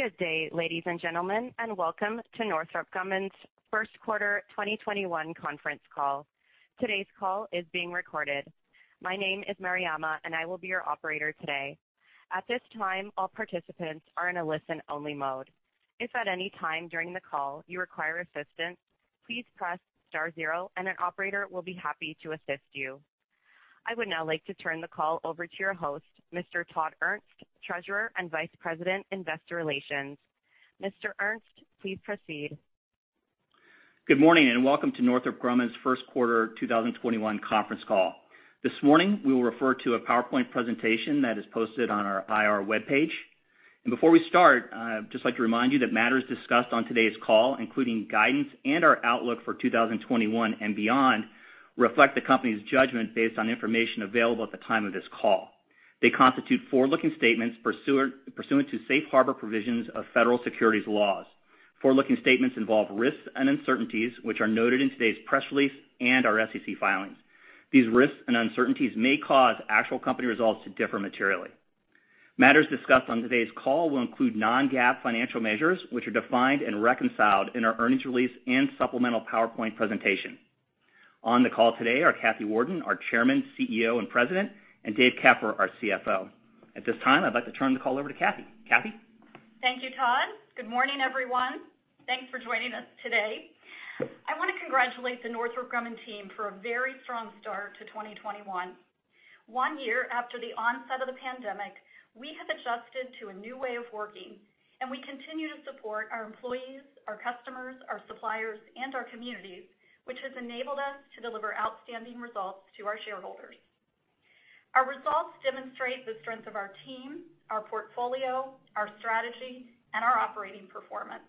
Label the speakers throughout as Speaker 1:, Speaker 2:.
Speaker 1: Good day, ladies and gentlemen, and Welcome to Northrop Grumman's First Quarter 2021 Conference Call. Today's call is being recorded. My name is Mariama, and I will be your operator today. At this time, all participants are in a listen-only mode. If at any time during the call you require assistance, please press star zero and an operator will be happy to assist you. I would now like to turn the call over to your host, Mr. Todd Ernst, Treasurer and Vice President, Investor Relations. Mr. Ernst, please proceed.
Speaker 2: Good morning, Welcome to Northrop Grumman's First Quarter 2021 Conference Call. This morning, we will refer to a PowerPoint presentation that is posted on our IR webpage. Before we start, I'd just like to remind you that matters discussed on today's call, including guidance and our outlook for 2021 and beyond, reflect the company's judgment based on information available at the time of this call. They constitute forward-looking statements pursuant to safe harbor provisions of federal securities laws. Forward-looking statements involve risks and uncertainties, which are noted in today's press release and our SEC filings. These risks and uncertainties may cause actual company results to differ materially. Matters discussed on today's call will include non-GAAP financial measures, which are defined and reconciled in our earnings release and supplemental PowerPoint presentation. On the call today are Kathy Warden, our Chairman, CEO, and President, and Dave Keffer, our CFO. At this time, I'd like to turn the call over to Kathy. Kathy?
Speaker 3: Thank you, Todd. Good morning, everyone. Thanks for joining us today. I want to congratulate the Northrop Grumman team for a very strong start to 2021. One year after the onset of the pandemic, we have adjusted to a new way of working, and we continue to support our employees, our customers, our suppliers, and our communities, which has enabled us to deliver outstanding results to our shareholders. Our results demonstrate the strength of our team, our portfolio, our strategy, and our operating performance.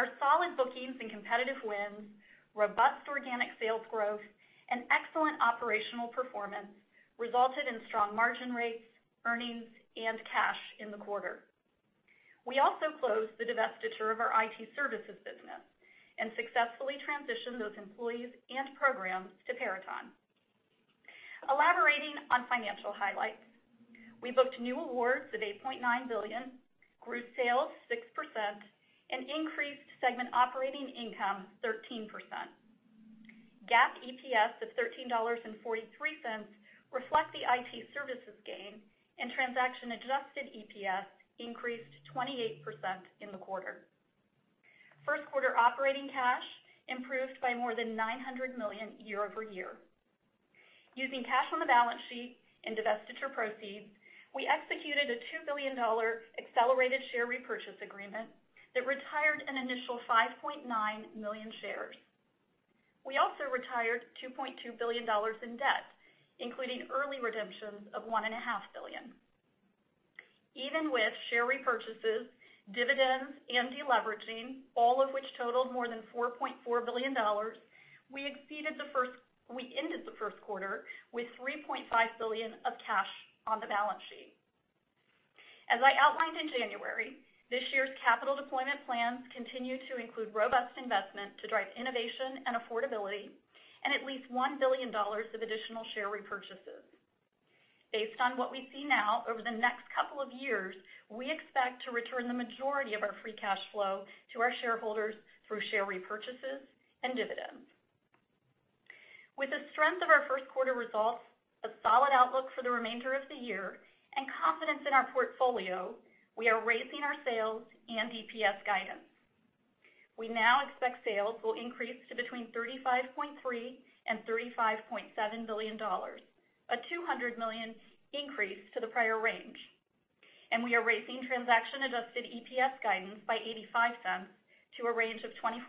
Speaker 3: Our solid bookings and competitive wins, robust organic sales growth, and excellent operational performance resulted in strong margin rates, earnings, and cash in the quarter. We also closed the divestiture of our IT services business and successfully transitioned those employees and programs to Peraton. Elaborating on financial highlights, we booked new awards of $8.9 billion, grew sales 6%, and increased segment operating income 13%. GAAP EPS of $13.43 reflect the IT services gain, and transaction-adjusted EPS increased 28% in the quarter. First quarter operating cash improved by more than $900 million year-over-year. Using cash on the balance sheet and divestiture proceeds, we executed a $2 billion accelerated share repurchase agreement that retired an initial 5.9 million shares. We also retired $2.2 billion in debt, including early redemptions of $1.5 billion. Even with share repurchases, dividends, and deleveraging, all of which totaled more than $4.4 billion, we ended the first quarter with $3.5 billion of cash on the balance sheet. As I outlined in January, this year's capital deployment plans continue to include robust investment to drive innovation and affordability and at least $1 billion of additional share repurchases. Based on what we see now, over the next couple of years, we expect to return the majority of our free cash flow to our shareholders through share repurchases and dividends. With the strength of our first quarter results, a solid outlook for the remainder of the year, and confidence in our portfolio, we are raising our sales and EPS guidance. We now expect sales will increase to between $35.3 billion and $35.7 billion, a $200 million increase to the prior range. We are raising transaction-adjusted EPS guidance by $0.85 to a range of $24-$24.50.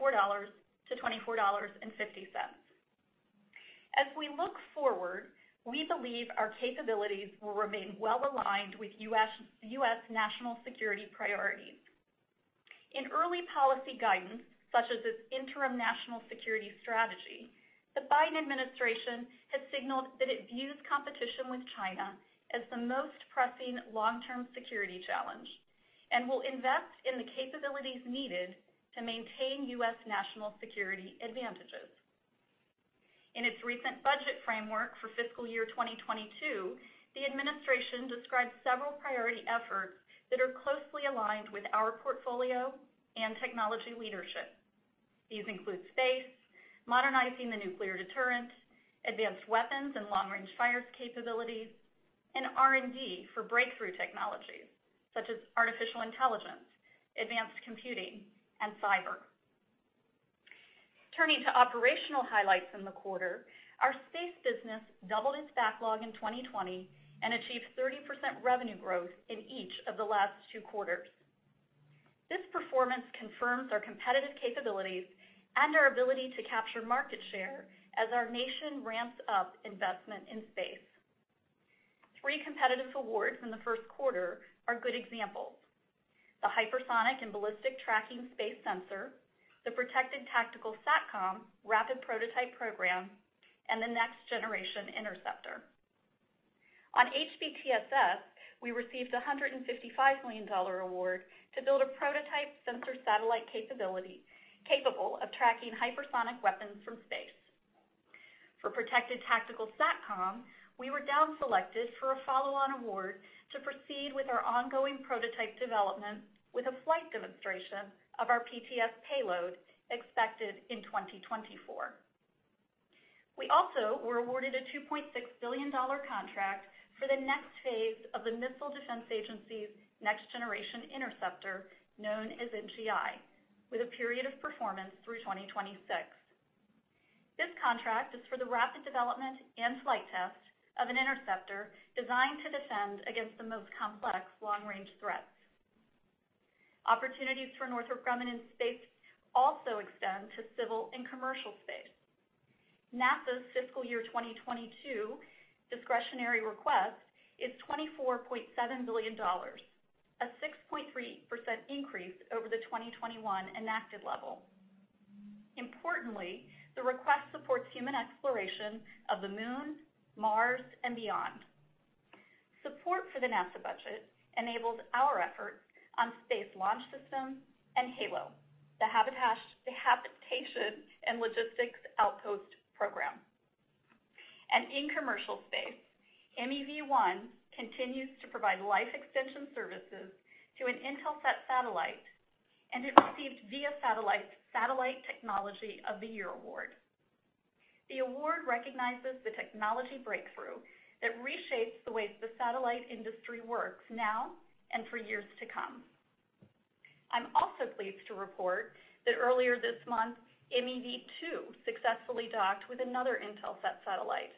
Speaker 3: As we look forward, we believe our capabilities will remain well-aligned with U.S. national security priorities. In early policy guidance, such as its interim national security strategy, the Biden administration has signaled that it views competition with China as the most pressing long-term security challenge and will invest in the capabilities needed to maintain U.S. national security advantages. In its recent budget framework for fiscal year 2022, the administration described several priority efforts that are closely aligned with our portfolio and technology leadership. These include space, modernizing the nuclear deterrent, advanced weapons and long-range fires capabilities, and R&D for breakthrough technologies such as artificial intelligence, advanced computing, and cyber. Turning to operational highlights in the quarter, our space business doubled its backlog in 2020 and achieved 30% revenue growth in each of the last two quarters. This performance confirms our competitive capabilities and our ability to capture market share as our nation ramps up investment in space. Three competitive awards from the first quarter are good examples. The Hypersonic and Ballistic Tracking Space Sensor, the Protected Tactical SATCOM rapid prototype program, and the Next Generation Interceptor. On HBTSS, we received a $155 million award to build a prototype sensor satellite capability capable of tracking hypersonic weapons from space. For Protected Tactical SATCOM, we were down selected for a follow-on award to proceed with our ongoing prototype development with a flight demonstration of our PTS payload expected in 2024. We also were awarded a $2.6 billion contract for the next phase of the Missile Defense Agency's Next Generation Interceptor, known as NGI, with a period of performance through 2026. This contract is for the rapid development and flight test of an interceptor designed to defend against the most complex long-range threats. Opportunities for Northrop Grumman in space also extend to civil and commercial space. NASA's fiscal year 2022 discretionary request is $24.7 billion, a 6.3% increase over the 2021 enacted level. Importantly, the request supports human exploration of the Moon, Mars, and beyond. Support for the NASA budget enables our effort on space launch systems and HALO, the Habitation and Logistics Outpost program. In commercial space, MEV-1 continues to provide life extension services to an Intelsat satellite, and it received Via Satellite's Satellite Technology of the Year award. The award recognizes the technology breakthrough that reshapes the way the satellite industry works now and for years to come. I am also pleased to report that earlier this month, MEV-2 successfully docked with another Intelsat satellite.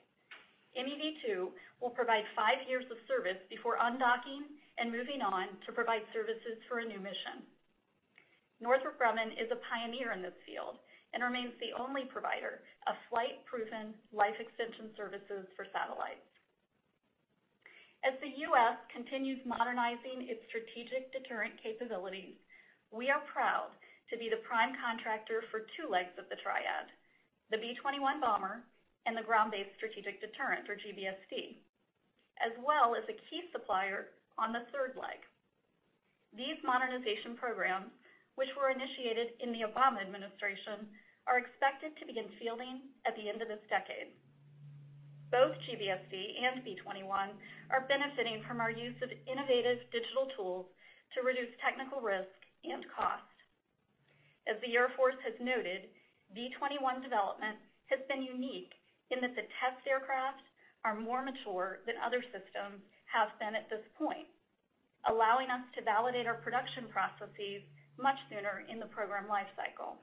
Speaker 3: MEV-2 will provide five years of service before undocking and moving on to provide services for a new mission. Northrop Grumman is a pioneer in this field and remains the only provider of flight-proven life extension services for satellites. As the U.S. continues modernizing its strategic deterrent capabilities, we are proud to be the prime contractor for two legs of the triad, the B-21 bomber and the Ground-Based Strategic Deterrent, or GBSD, as well as a key supplier on the third leg. These modernization programs, which were initiated in the Obama administration, are expected to begin fielding at the end of this decade. Both GBSD and B-21 are benefiting from our use of innovative digital tools to reduce technical risk and cost. As the Air Force has noted, B-21 development has been unique in that the test aircraft are more mature than other systems have been at this point, allowing us to validate our production processes much sooner in the program life cycle.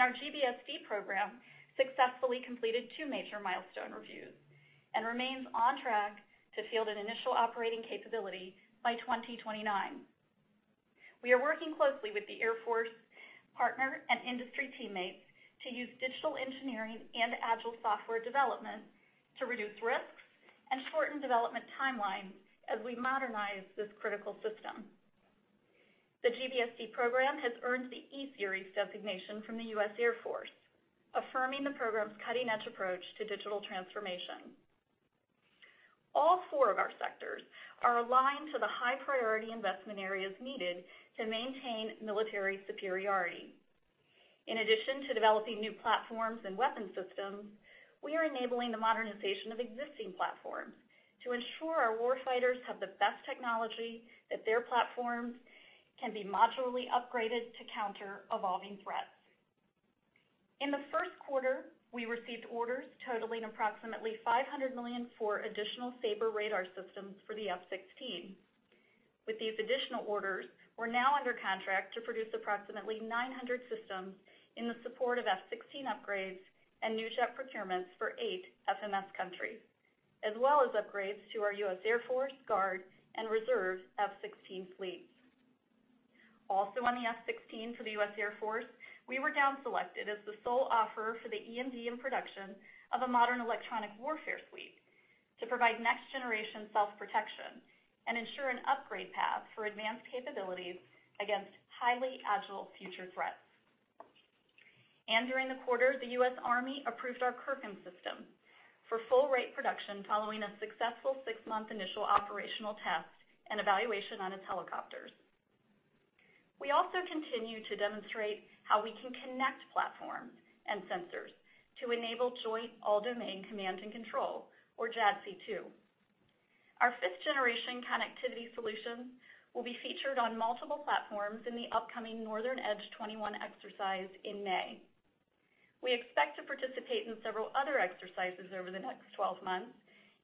Speaker 3: Our GBSD program successfully completed two major milestone reviews and remains on track to field an initial operating capability by 2029. We are working closely with the Air Force partner and industry teammates to use digital engineering and agile software development to reduce risks and shorten development timelines as we modernize this critical system. The GBSD program has earned the e-Series designation from the U.S. Air Force, affirming the program's cutting-edge approach to digital transformation. All four of our sectors are aligned to the high-priority investment areas needed to maintain military superiority. In addition to developing new platforms and weapon systems, we are enabling the modernization of existing platforms to ensure our warfighters have the best technology, that their platforms can be modularly upgraded to counter evolving threats. In the first quarter, we received orders totaling approximately $500 million for additional SABR radar systems for the F-16. With these additional orders, we're now under contract to produce approximately 900 systems in the support of F-16 upgrades and new jet procurements for eight FMS countries, as well as upgrades to our U.S. Air Force Guard and Reserve F-16 fleets. On the F-16 for the U.S. Air Force, we were down selected as the sole offer for the EMD and production of a modern electronic warfare suite to provide next generation self-protection and ensure an upgrade path for advanced capabilities against highly agile future threats. During the quarter, the U.S. Army approved our CIRCM system for full rate production following a successful six month initial operational test and evaluation on its helicopters. We also continue to demonstrate how we can connect platforms and sensors to enable Joint All-Domain Command and Control, or JADC2. Our fifth-generation connectivity solution will be featured on multiple platforms in the upcoming Northern Edge 21 exercise in May. We expect to participate in several other exercises over the next 12 months,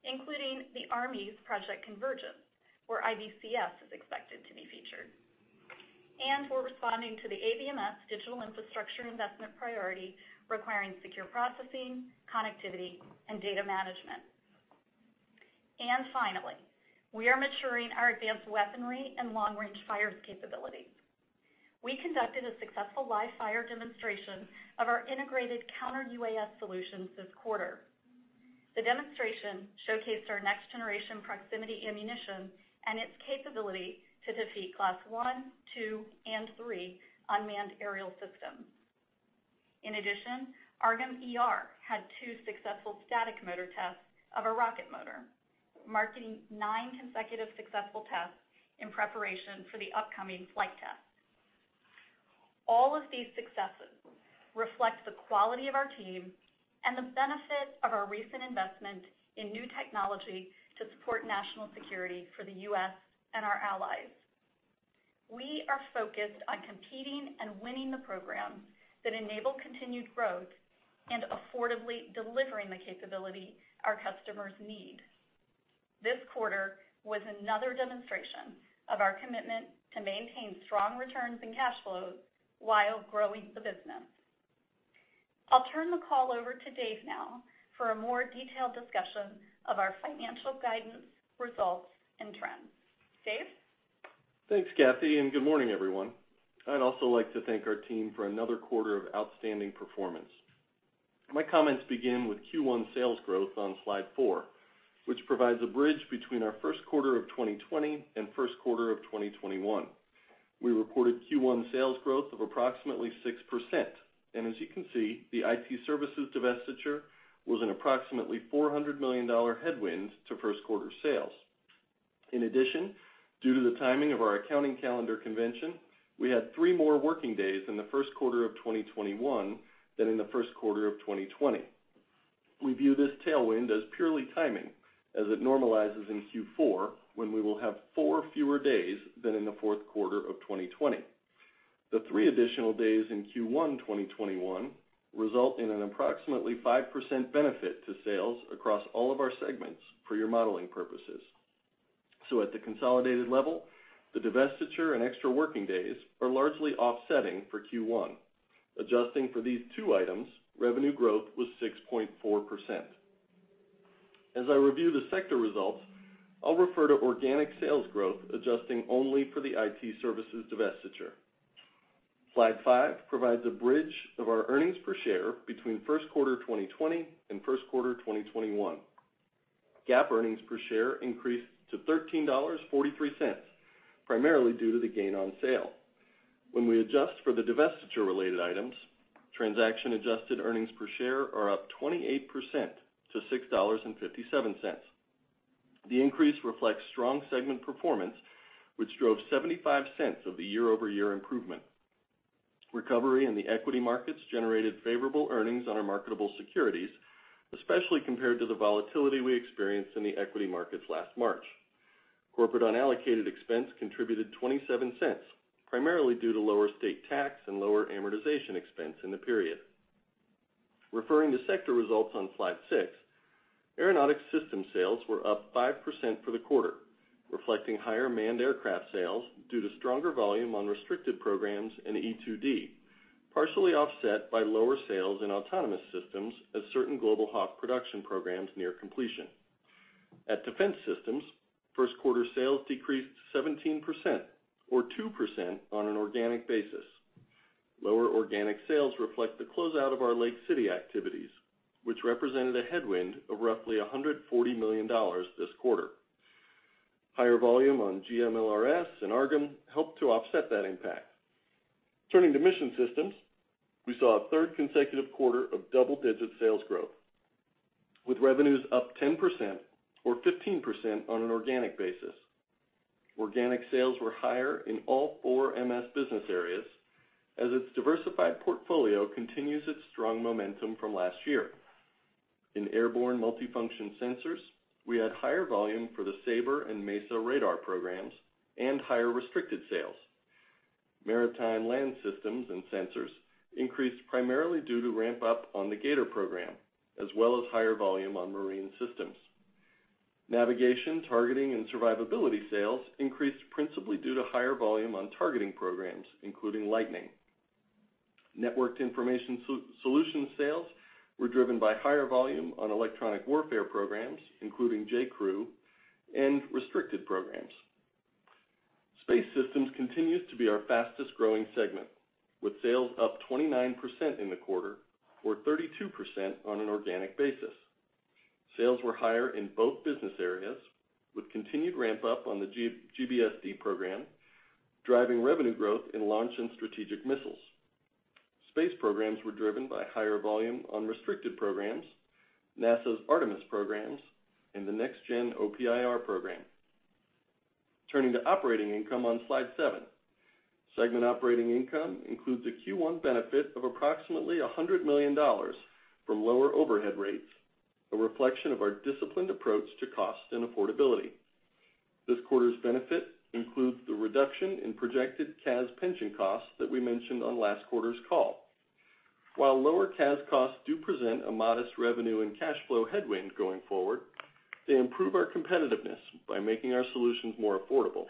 Speaker 3: including the Army's Project Convergence, where IBCS is expected to be featured. We're responding to the ABMS digital infrastructure investment priority, requiring secure processing, connectivity, and data management. Finally, we are maturing our advanced weaponry and long-range fires capability. We conducted a successful live-fire demonstration of our integrated counter UAS solutions this quarter. The demonstration showcased our next-generation proximity ammunition and its capability to defeat class one, two, and three unmanned aerial systems. In addition, AARGM-ER had two successful static motor tests of a rocket motor, marking nine consecutive successful tests in preparation for the upcoming flight test. All of these successes reflect the quality of our team and the benefit of our recent investment in new technology to support national security for the U.S. and our allies. We are focused on competing and winning the program that enable continued growth and affordably delivering the capability our customers need. This quarter was another demonstration of our commitment to maintain strong returns and cash flows while growing the business. I'll turn the call over to Dave now for a more detailed discussion of our financial guidance, results, and trends. Dave?
Speaker 4: Thanks, Kathy, and good morning, everyone. I'd also like to thank our team for another quarter of outstanding performance. My comments begin with Q1 sales growth on slide four, which provides a bridge between our first quarter of 2020 and first quarter of 2021. We reported Q1 sales growth of approximately 6%, and as you can see, the IT services divestiture was an approximately $400 million headwind to first quarter sales. In addition, due to the timing of our accounting calendar convention, we had three more working days in the first quarter of 2021 than in the first quarter of 2020. We view this tailwind as purely timing, as it normalizes in Q4, when we will have four fewer days than in the fourth quarter of 2020. The three additional days in Q1 2021 result in an approximately 5% benefit to sales across all of our segments for your modeling purposes. At the consolidated level, the divestiture and extra working days are largely offsetting for Q1. Adjusting for these two items, revenue growth was 6.4%. As I review the sector results, I'll refer to organic sales growth, adjusting only for the IT services divestiture. Slide five provides a bridge of our earnings per share between first quarter 2020 and first quarter 2021. GAAP earnings per share increased to $13.43, primarily due to the gain on sale. When we adjust for the divestiture-related items, transaction-adjusted earnings per share are up 28% to $6.57. The increase reflects strong segment performance, which drove $0.75 of the year-over-year improvement. Recovery in the equity markets generated favorable earnings on our marketable securities, especially compared to the volatility we experienced in the equity markets last March. Corporate unallocated expense contributed $0.27, primarily due to lower state tax and lower amortization expense in the period. Referring to sector results on slide six, Aeronautics Systems sales were up 5% for the quarter, reflecting higher manned aircraft sales due to stronger volume on restricted programs in E-2D, partially offset by lower sales in autonomous systems as certain Global Hawk production programs near completion. At Defense Systems, first quarter sales decreased 17%, or 2% on an organic basis. Lower organic sales reflect the closeout of our Lake City activities, which represented a headwind of roughly $140 million this quarter. Higher volume on GMLRS and AARGM helped to offset that impact. Turning to Mission Systems, we saw a third consecutive quarter of double-digit sales growth, with revenues up 10%, or 15% on an organic basis. Organic sales were higher in all four MS business areas, as its diversified portfolio continues its strong momentum from last year. In airborne multifunction sensors, we had higher volume for the SABR and MESA radar programs and higher restricted sales. Maritime land systems and sensors increased primarily due to ramp-up on the G/ATOR program, as well as higher volume on marine systems. Navigation, targeting, and survivability sales increased principally due to higher volume on targeting programs, including LITENING. Networked Information Solutions sales were driven by higher volume on electronic warfare programs, including JCREW and restricted programs. Space Systems continues to be our fastest-growing segment, with sales up 29% in the quarter or 32% on an organic basis. Sales were higher in both business areas, with continued ramp-up on the GBSD program, driving revenue growth in launch and strategic missiles. Space programs were driven by higher volume on restricted programs, NASA's Artemis programs, and the Next-Gen OPIR program. Turning to operating income on slide seven. Segment operating income includes a Q1 benefit of approximately $100 million from lower overhead rates, a reflection of our disciplined approach to cost and affordability. This quarter's benefit includes the reduction in projected CAS pension costs that we mentioned on last quarter's call. While lower CAS costs do present a modest revenue and cash flow headwind going forward, they improve our competitiveness by making our solutions more affordable,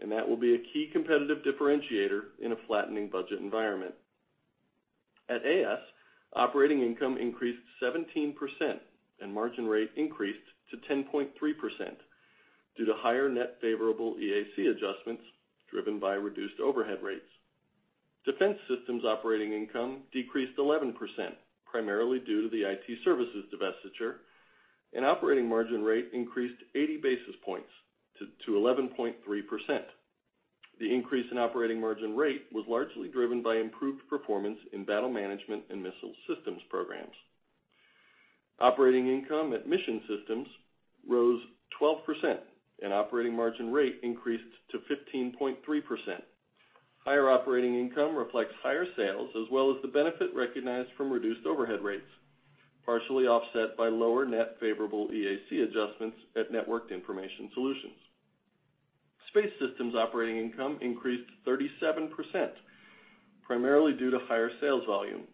Speaker 4: and that will be a key competitive differentiator in a flattening budget environment. At AS, operating income increased 17% and margin rate increased to 10.3% due to higher net favorable EAC adjustments driven by reduced overhead rates. Defense Systems operating income decreased 11%, primarily due to the IT services divestiture, and operating margin rate increased 80 basis points to 11.3%. The increase in operating margin rate was largely driven by improved performance in battle management and missile systems programs. Operating income at Mission Systems rose 12%, and operating margin rate increased to 15.3%. Higher operating income reflects higher sales as well as the benefit recognized from reduced overhead rates, partially offset by lower net favorable EAC adjustments at Networked Information Solutions. Space Systems operating income increased 37%, primarily due to higher sales volume.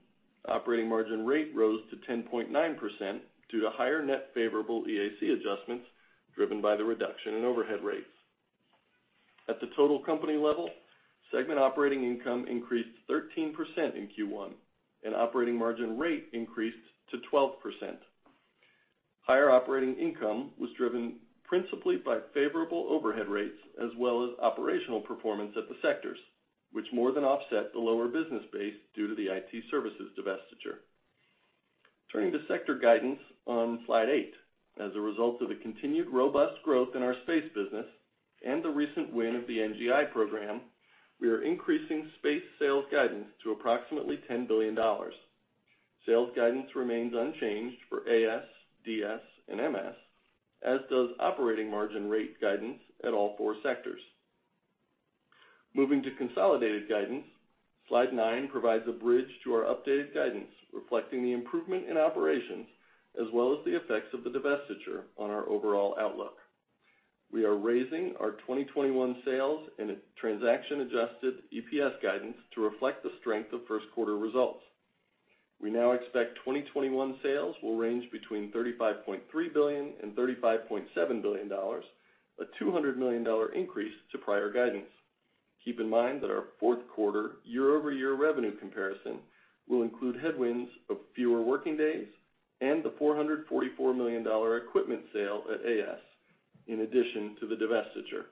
Speaker 4: Operating margin rate rose to 10.9% due to higher net favorable EAC adjustments driven by the reduction in overhead rates. At the total company level, segment operating income increased 13% in Q1, and operating margin rate increased to 12%. Higher operating income was driven principally by favorable overhead rates as well as operational performance at the sectors, which more than offset the lower business base due to the IT services divestiture. Turning to sector guidance on Slide eight. As a result of the continued robust growth in our space business and the recent win of the NGI program, we are increasing space sales guidance to approximately $10 billion. Sales guidance remains unchanged for AS, DS, and MS, as does operating margin rate guidance at all four sectors. Moving to consolidated guidance. Slide nine provides a bridge to our updated guidance, reflecting the improvement in operations as well as the effects of the divestiture on our overall outlook. We are raising our 2021 sales and transaction adjusted EPS guidance to reflect the strength of first quarter results. We now expect 2021 sales will range between $35.3 billion and $35.7 billion, a $200 million increase to prior guidance. Keep in mind that our fourth quarter year-over-year revenue comparison will include headwinds of fewer working days and the $444 million equipment sale at AS, in addition to the divestiture.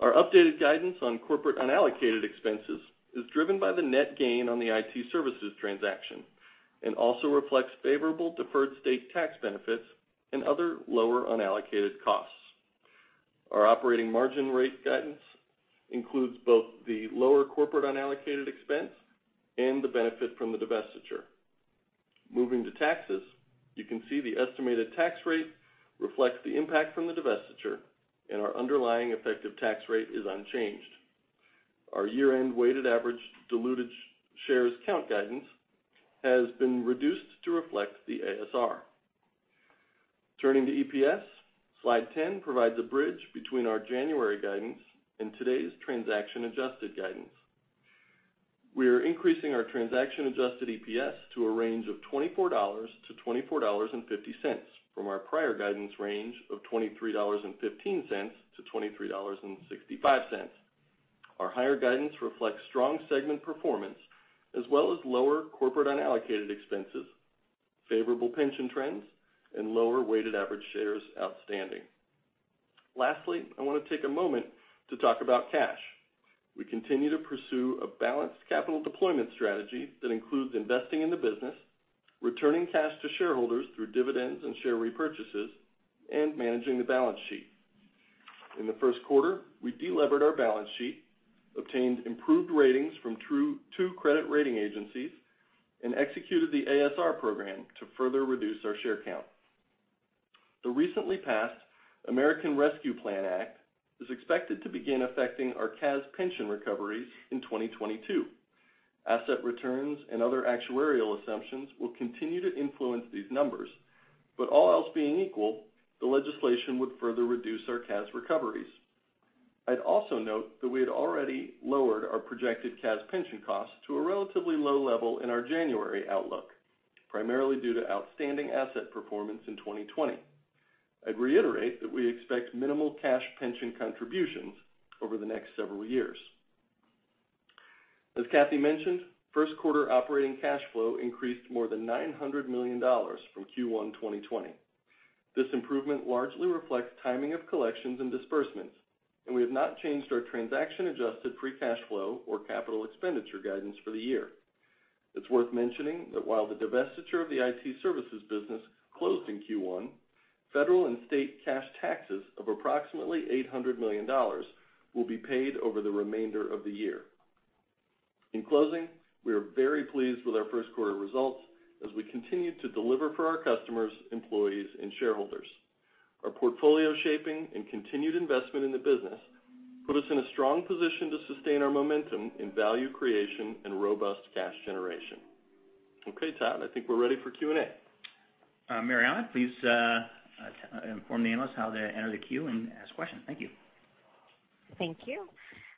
Speaker 4: Our updated guidance on corporate unallocated expenses is driven by the net gain on the IT services transaction and also reflects favorable deferred state tax benefits and other lower unallocated costs. Our operating margin rate guidance includes both the lower corporate unallocated expense and the benefit from the divestiture. Moving to taxes. You can see the estimated tax rate reflects the impact from the divestiture, and our underlying effective tax rate is unchanged. Our year-end weighted average diluted shares count guidance has been reduced to reflect the ASR. Turning to EPS. Slide 10 provides a bridge between our January guidance and today's transaction-adjusted guidance. We are increasing our transaction-adjusted EPS to a range of $24-$24.50, from our prior guidance range of $23.15-$23.65. Our higher guidance reflects strong segment performance as well as lower corporate unallocated expenses, favorable pension trends, and lower weighted average shares outstanding. I want to take a moment to talk about cash. We continue to pursue a balanced capital deployment strategy that includes investing in the business, returning cash to shareholders through dividends and share repurchases, and managing the balance sheet. In the first quarter, we delevered our balance sheet, obtained improved ratings from two credit rating agencies, and executed the ASR program to further reduce our share count. The recently passed American Rescue Plan Act is expected to begin affecting our CAS pension recoveries in 2022. Asset returns and other actuarial assumptions will continue to influence these numbers, but all else being equal, the legislation would further reduce our CAS recoveries. I'd also note that we had already lowered our projected CAS pension cost to a relatively low level in our January outlook, primarily due to outstanding asset performance in 2020. I'd reiterate that we expect minimal cash pension contributions over the next several years. As Kathy mentioned, first quarter operating cash flow increased more than $900 million from Q1 2020. This improvement largely reflects timing of collections and disbursements, and we have not changed our transaction-adjusted free cash flow or capital expenditure guidance for the year. It's worth mentioning that while the divestiture of the IT services business closed in Q1, federal and state cash taxes of approximately $800 million will be paid over the remainder of the year. In closing, we are very pleased with our first quarter results as we continue to deliver for our customers, employees, and shareholders. Our portfolio shaping and continued investment in the business put us in a strong position to sustain our momentum in value creation and robust cash generation. Okay, Todd, I think we're ready for Q and A.
Speaker 2: Mariama, please inform the analysts how to enter the queue and ask questions. Thank you.
Speaker 1: Thank you.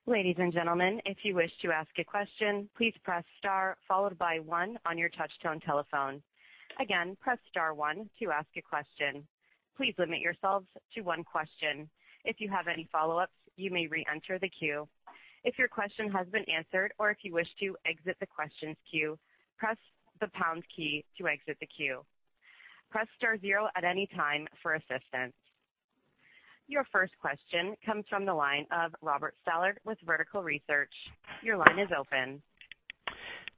Speaker 1: Ladies and gentlemen, if you wish to ask a question, please press star followed by one on your touchtone telephone. Again, press star one to ask a question. Please limit yourselves to one question. If you have any follow-ups, you may re-enter the queue. If your question has been answered or if you wish to exit the questions queue, press the pound key to exit the queue. Press star zero at any time for assistance. Your first question comes from the line of Robert Stallard with Vertical Research. Your line is open.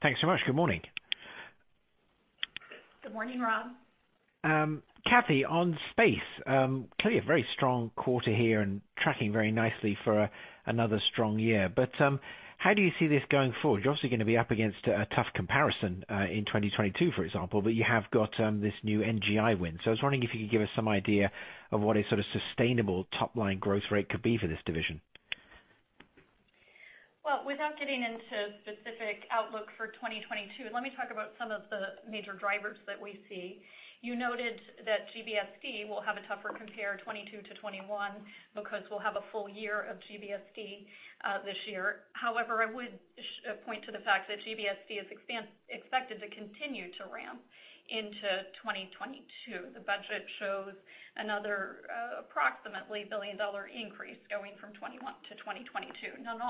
Speaker 5: Thanks so much. Good morning.
Speaker 3: Good morning, Rob.
Speaker 5: Kathy, on space, clearly a very strong quarter here and tracking very nicely for another strong year. How do you see this going forward? You're obviously going to be up against a tough comparison in 2022, for example, but you have got this new NGI win. I was wondering if you could give us some idea of what a sort of sustainable top-line growth rate could be for this division.
Speaker 3: Well, without getting into specific outlook for 2022, let me talk about some of the major drivers that we see. You noted that GBSD will have a tougher compare 2022 to 2021 because we'll have a full year of GBSD this year. I would point to the fact that GBSD is expected to continue to ramp into 2022. The budget shows another approximately $1 billion increase going from 2021 to 2022. Not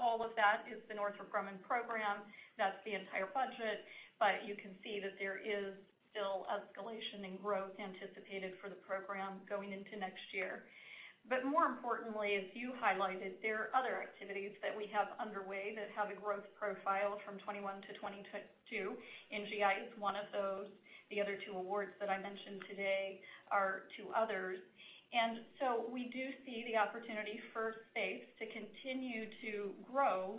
Speaker 3: all of that is the Northrop Grumman program. That's the entire budget. You can see that there is still escalation in growth anticipated for the program going into next year. More importantly, as you highlighted, there are other activities that we have underway that have a growth profile from 2021 to 2022. NGI is one of those. The other two awards that I mentioned today are two others. We do see the opportunity for Space to continue to grow.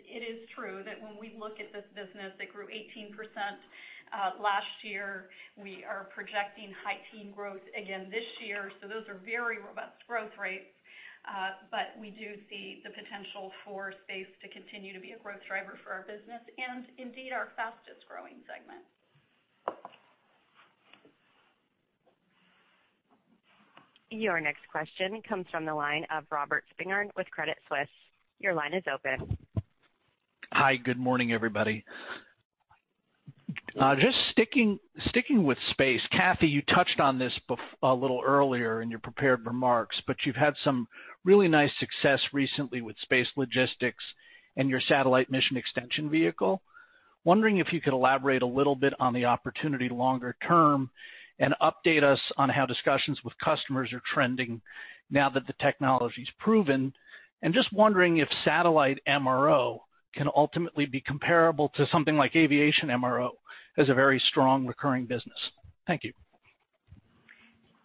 Speaker 3: It is true that when we look at this business that grew 18% last year, we are projecting high teen growth again this year. Those are very robust growth rates. We do see the potential for Space to continue to be a growth driver for our business and indeed our fastest-growing segment.
Speaker 1: Your next question comes from the line of Robert Spingarn with Credit Suisse. Your line is open.
Speaker 6: Hi, good morning, everybody. Just sticking with space, Kathy, you touched on this a little earlier in your prepared remarks, but you've had some really nice success recently with space logistics and your satellite mission extension vehicle. Wondering if you could elaborate a little bit on the opportunity longer term and update us on how discussions with customers are trending now that the technology's proven, and just wondering if satellite MRO can ultimately be comparable to something like aviation MRO as a very strong recurring business? Thank you.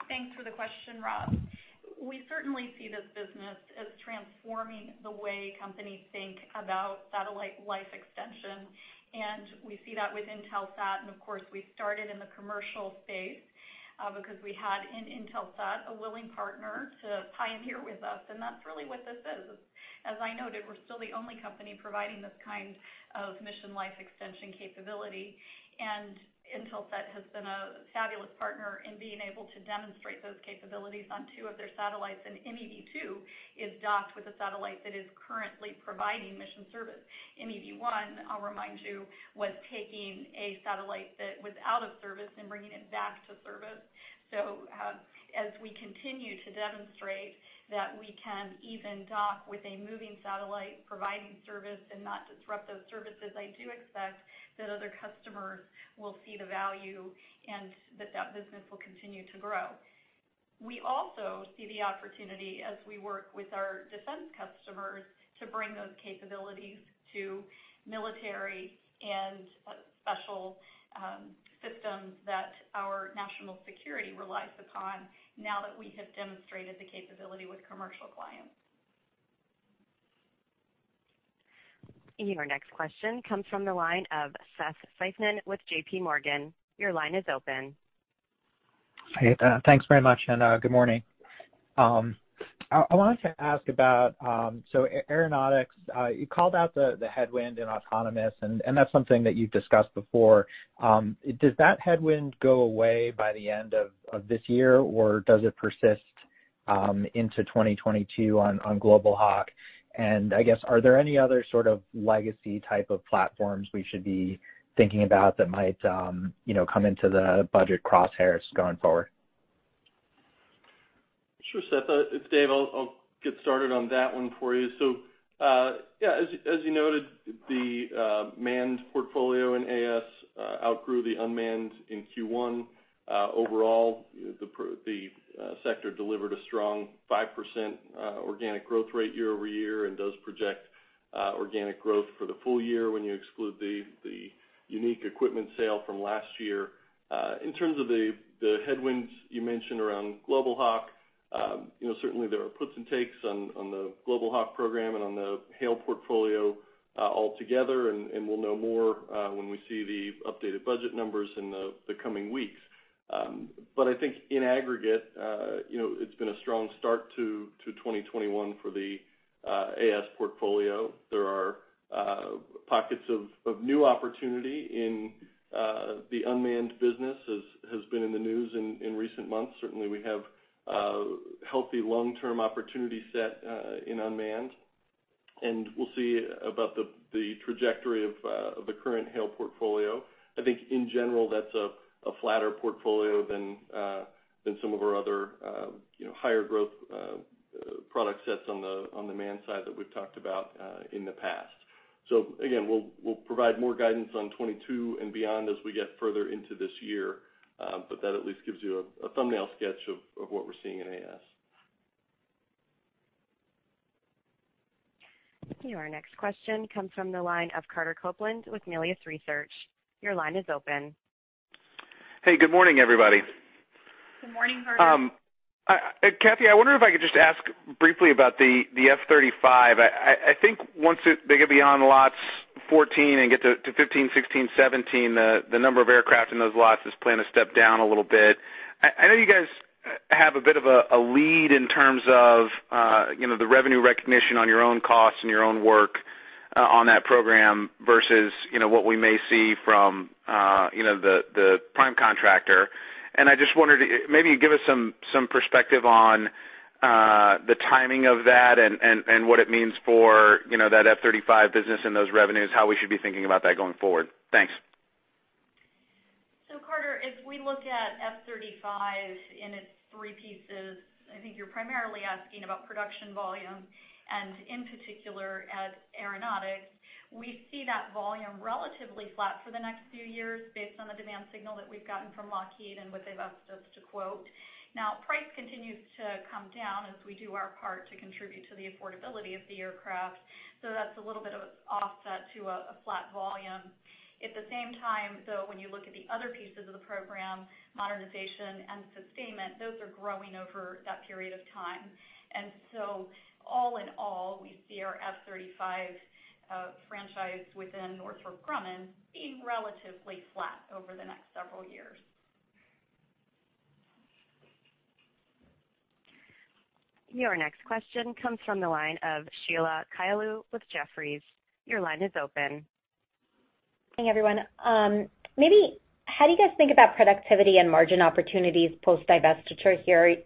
Speaker 3: Thanks for the question, Rob. We certainly see this business as transforming the way companies think about satellite life extension. We see that with Intelsat. Of course, we started in the commercial space because we had in Intelsat a willing partner to pioneer with us. That's really what this is. As I noted, we're still the only company providing this kind of mission life extension capability. Intelsat has been a fabulous partner in being able to demonstrate those capabilities on two of their satellites. MEV-2 is docked with a satellite that is currently providing mission service. MEV-1, I'll remind you, was taking a satellite that was out of service and bringing it back to service. As we continue to demonstrate that we can even dock with a moving satellite providing service and not disrupt those services, I do expect that other customers will see the value, and that business will continue to grow. We also see the opportunity as we work with our defense customers to bring those capabilities to military and special systems that our national security relies upon now that we have demonstrated the capability with commercial clients.
Speaker 1: Your next question comes from the line of Seth Seifman with JPMorgan. Your line is open.
Speaker 7: Thanks very much, and good morning. I wanted to ask about Aeronautics. You called out the headwind in autonomous, and that's something that you've discussed before. Does that headwind go away by the end of this year, or does it persist into 2022 on Global Hawk? I guess, are there any other sort of legacy type of platforms we should be thinking about that might come into the budget crosshairs going forward?
Speaker 4: Sure, Seth. It's Dave. I'll get started on that one for you. Yeah, as you noted, the manned portfolio in AS outgrew the unmanned in Q1. Overall, the sector delivered a strong 5% organic growth rate year-over-year and does project organic growth for the full year when you exclude the unique equipment sale from last year. In terms of the headwinds you mentioned around Global Hawk, certainly there are puts and takes on the Global Hawk program and on the HALE portfolio altogether, and we'll know more when we see the updated budget numbers in the coming weeks. I think in aggregate it's been a strong start to 2021 for the AS portfolio. There are pockets of new opportunity in the unmanned business, as has been in the news in recent months. Certainly, we have a healthy long-term opportunity set in unmanned, and we'll see about the trajectory of the current HALE portfolio. I think in general, that's a flatter portfolio than some of our other higher growth product sets on the manned side that we've talked about in the past. Again, we'll provide more guidance on 2022 and beyond as we get further into this year. That at least gives you a thumbnail sketch of what we're seeing in AS.
Speaker 1: Your next question comes from the line of Carter Copeland with Melius Research. Your line is open.
Speaker 8: Hey, good morning, everybody.
Speaker 3: Good morning, Carter.
Speaker 8: Kathy, I wonder if I could just ask briefly about the F-35. I think once they get beyond lots 14 and get to 15, 16, 17, the number of aircraft in those lots is planned to step down a little bit. I know you guys have a bit of a lead in terms of the revenue recognition on your own costs and your own work on that program versus what we may see from the prime contractor. I just wondered, maybe give us some perspective on the timing of that and what it means for that F-35 business and those revenues, how we should be thinking about that going forward. Thanks.
Speaker 3: Carter, as we look at F-35 in its three pieces, I think you're primarily asking about production volume, and in particular, at Aeronautics. We see that volume relatively flat for the next few years based on the demand signal that we've gotten from Lockheed and what they've asked us to quote. Price continues to come down as we do our part to contribute to the affordability of the aircraft, so that's a little bit of an offset to a flat volume. At the same time, though, when you look at the other pieces of the program, modernization and sustainment, those are growing over that period of time. All in all, we see our F-35 franchise within Northrop Grumman being relatively flat over the next several years.
Speaker 1: Your next question comes from the line of Sheila Kahyaoglu with Jefferies. Your line is open.
Speaker 9: Hey, everyone. How do you guys think about productivity and margin opportunities post-divestiture here?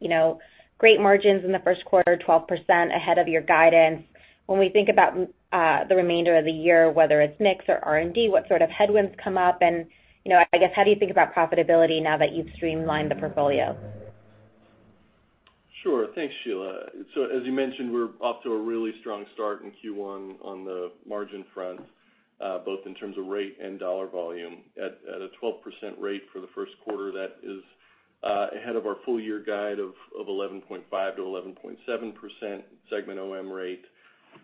Speaker 9: Great margins in the first quarter, 12% ahead of your guidance. When we think about the remainder of the year, whether it's mix or R&D, what sort of headwinds come up and, I guess, how do you think about profitability now that you've streamlined the portfolio?
Speaker 4: Sure. Thanks, Sheila. As you mentioned, we're off to a really strong start in Q1 on the margin front, both in terms of rate and dollar volume at a 12% rate for the first quarter. That is ahead of our full-year guide of 11.5%-11.7% segment OM rate.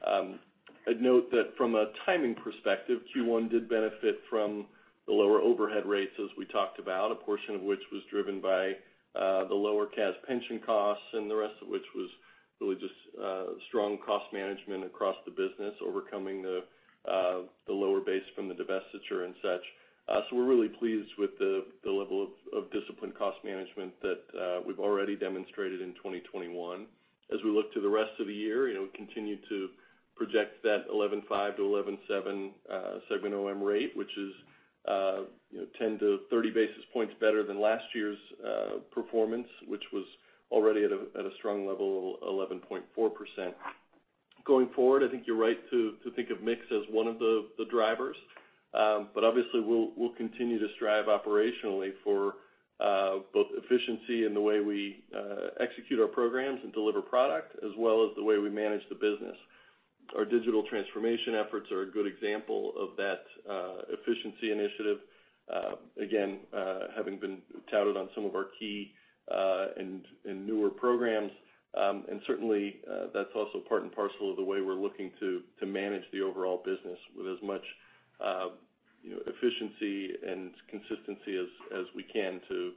Speaker 4: I'd note that from a timing perspective, Q1 did benefit from the lower overhead rates as we talked about, a portion of which was driven by the lower CAS pension costs and the rest of which was really just strong cost management across the business, overcoming the lower base from the divestiture and such. We're really pleased with the level of disciplined cost management that we've already demonstrated in 2021. As we look to the rest of the year, we continue to project that 11.5%-11.7% segment OM rate, which is 10 to 30 basis points better than last year's performance, which was already at a strong level of 11.4%. Going forward, I think you're right to think of mix as one of the drivers. Obviously, we'll continue to strive operationally for both efficiency in the way we execute our programs and deliver product, as well as the way we manage the business. Our digital transformation efforts are a good example of that efficiency initiative. Again, having been touted on some of our key and newer programs, and certainly that's also part and parcel of the way we're looking to manage the overall business with as much efficiency and consistency as we can to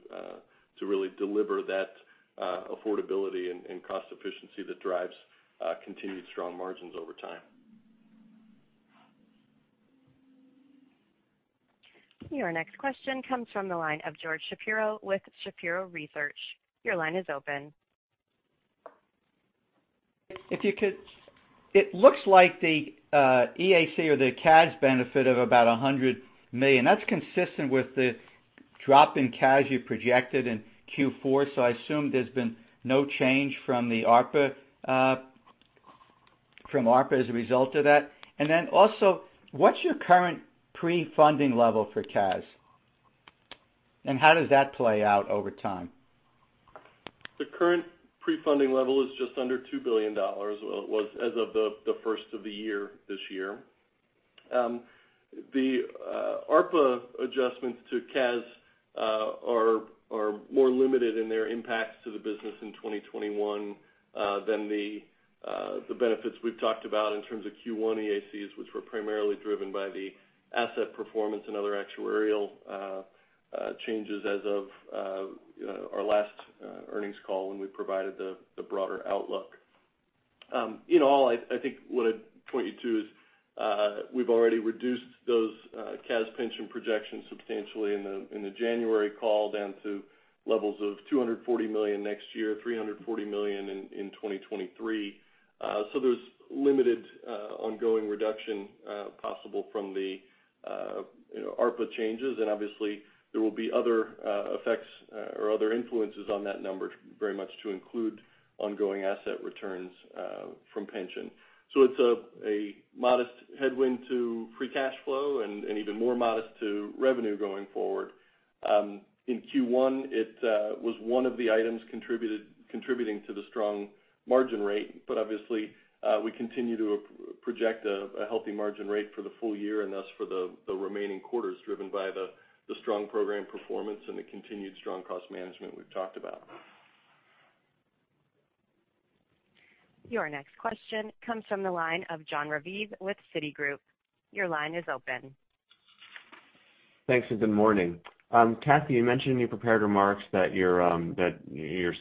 Speaker 4: really deliver that affordability and cost efficiency that drives continued strong margins over time.
Speaker 1: Your next question comes from the line of George Shapiro with Shapiro Research. Your line is open.
Speaker 10: It looks like the EAC or the CAS benefit of about $100 million. That's consistent with the drop in CAS you projected in Q4. I assume there's been no change from ARPA as a result of that. Also, what's your current pre-funding level for CAS, and how does that play out over time?
Speaker 4: The current pre-funding level is just under $2 billion. Well, it was as of the first of the year this year. The ARPA adjustments to CAS are more limited in their impacts to the business in 2021 than the benefits we've talked about in terms of Q1 EACs, which were primarily driven by the asset performance and other actuarial changes as of our last earnings call when we provided the broader outlook. In all, I think what I'd point you to is we've already reduced those CAS pension projections substantially in the January call down to levels of $240 million next year, $340 million in 2023. There's limited ongoing reduction possible from the ARPA changes, and obviously, there will be other effects or other influences on that number very much to include ongoing asset returns from pension. It's a modest headwind to free cash flow and even more modest to revenue going forward. In Q1, it was one of the items contributing to the strong margin rate. Obviously, we continue to project a healthy margin rate for the full year and thus for the remaining quarters, driven by the strong program performance and the continued strong cost management we've talked about.
Speaker 1: Your next question comes from the line of Jon Raviv with Citigroup. Your line is open.
Speaker 11: Thanks, good morning. Kathy, you mentioned in your prepared remarks that you're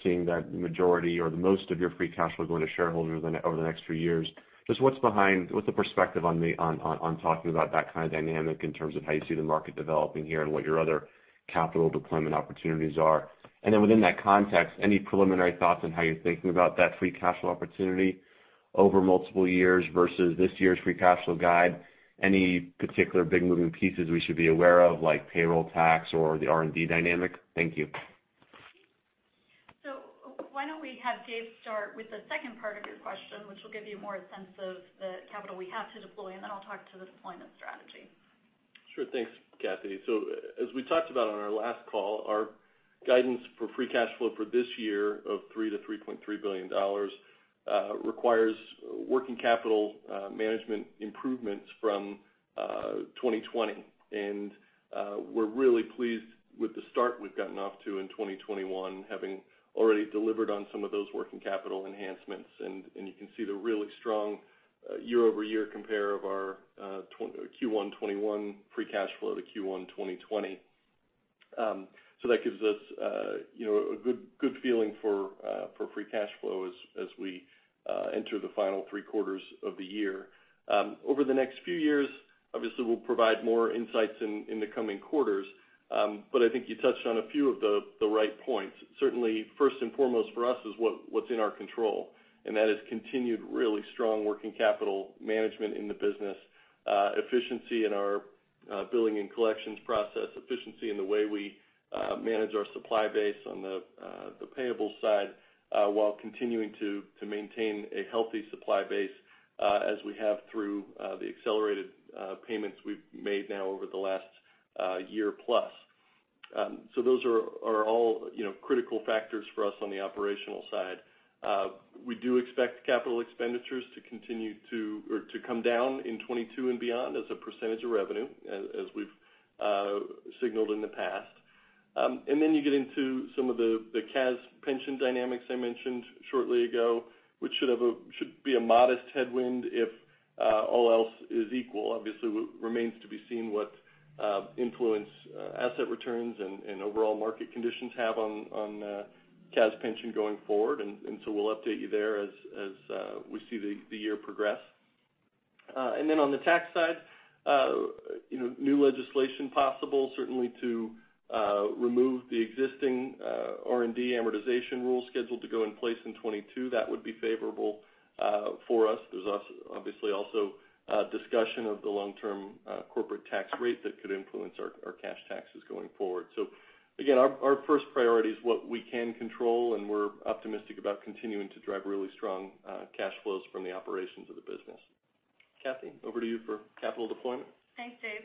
Speaker 11: seeing that the majority or the most of your free cash will go into shareholders over the next few years. Just what's the perspective on talking about that kind of dynamic in terms of how you see the market developing here and what your other capital deployment opportunities are? Within that context, any preliminary thoughts on how you're thinking about that free cash flow opportunity over multiple years versus this year's free cash flow guide? Any particular big moving pieces we should be aware of, like payroll tax or the R&D dynamic? Thank you.
Speaker 3: Why don't we have Dave start with the second part of your question, which will give you more a sense of the capital we have to deploy, and then I'll talk to the deployment strategy.
Speaker 4: Sure. Thanks, Kathy. As we talked about on our last call, our guidance for free cash flow for this year of $3 billion-$3.3 billion requires working capital management improvements from 2020. We're really pleased with the start we've gotten off to in 2021, having already delivered on some of those working capital enhancements. You can see the really strong year-over-year compare of our Q1 2021 free cash flow to Q1 2020. That gives us a good feeling for free cash flow as we enter the final three quarters of the year. Over the next few years, obviously, we'll provide more insights in the coming quarters. I think you touched on a few of the right points. Certainly, first and foremost for us is what's in our control. That is continued really strong working capital management in the business, efficiency in our billing and collections process, efficiency in the way we manage our supply base on the payable side while continuing to maintain a healthy supply base as we have through the accelerated payments we've made now over the last year plus. Those are all critical factors for us on the operational side. We do expect capital expenditures to come down in 2022 and beyond as a percentage of revenue, as we've signaled in the past. You get into some of the CAS pension dynamics I mentioned shortly ago, which should be a modest headwind if all else is equal. Obviously, what remains to be seen what influence asset returns and overall market conditions have on CAS pension going forward. We'll update you there as we see the year progress. On the tax side, new legislation possible certainly to remove the existing R&D amortization rule scheduled to go in place in 2022. That would be favorable for us. There's obviously also discussion of the long-term corporate tax rate that could influence our cash taxes going forward. Again, our first priority is what we can control, and we're optimistic about continuing to drive really strong cash flows from the operations of the business. Kathy, over to you for capital deployment.
Speaker 3: Thanks, Dave.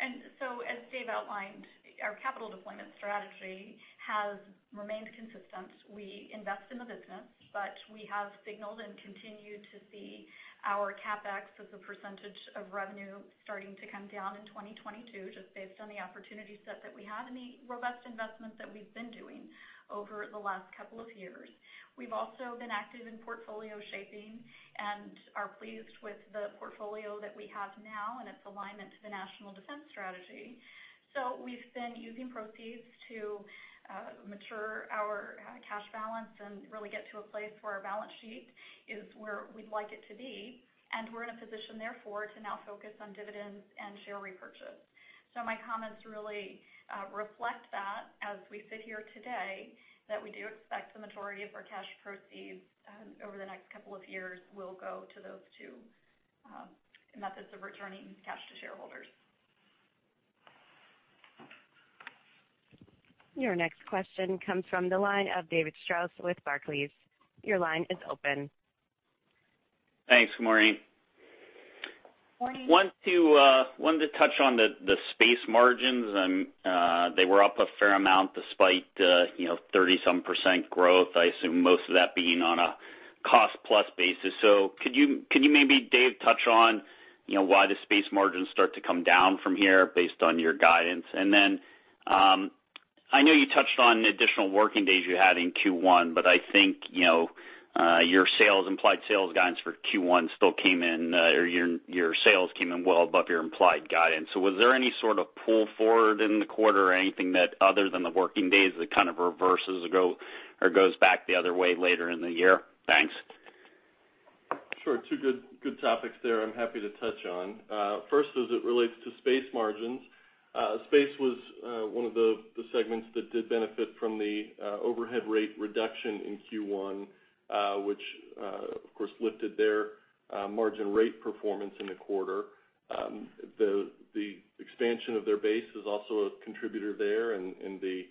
Speaker 3: As Dave outlined, our capital deployment strategy has remained consistent. We invest in the business, but we have signaled and continue to see our CapEx as a percentage of revenue starting to come down in 2022, just based on the opportunity set that we have and the robust investments that we've been doing over the last couple of years. We've also been active in portfolio shaping and are pleased with the portfolio that we have now and its alignment to the national defense strategy. We've been using proceeds to mature our cash balance and really get to a place where our balance sheet is where we'd like it to be. We're in a position therefore, to now focus on dividends and share repurchase. My comments really reflect that as we sit here today, that we do expect the majority of our cash proceeds over the next couple of years will go to those two methods of returning cash to shareholders.
Speaker 1: Your next question comes from the line of David Strauss with Barclays. Your line is open.
Speaker 12: Thanks. Morning.
Speaker 3: Morning.
Speaker 12: Wanted to touch on the Space margins. They were up a fair amount despite 30-some percent growth, I assume most of that being on a cost-plus basis. Could you maybe, Dave, touch on why the Space margins start to come down from here based on your guidance? I know you touched on additional working days you had in Q1, but I think your implied sales guidance for Q1 still came in, or your sales came in well above your implied guidance. Was there any sort of pull forward in the quarter or anything that other than the working days that kind of reverses or goes back the other way later in the year? Thanks.
Speaker 4: Sure. Two good topics there I'm happy to touch on. First, as it relates to Space margins. Space was one of the segments that did benefit from the overhead rate reduction in Q1, which, of course, lifted their margin rate performance in the quarter. The expansion of their base is also a contributor there and the